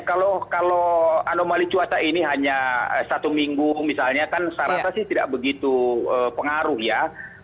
kalau anomali cuaca ini hanya satu minggu misalnya kan saya rasa sih tidak begitu pengaruh ya